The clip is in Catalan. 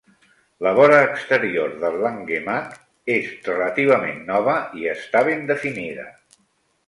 La vora exterior del Langemak és relativament nova i està ben definida.